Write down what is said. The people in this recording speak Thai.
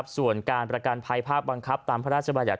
ส่วนการประกันภัยภาพบังคับตามพระราชบัญญัติ